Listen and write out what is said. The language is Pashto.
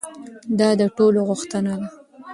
دا د ټولو غوښتنه ده.